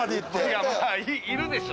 いやまあいるでしょ。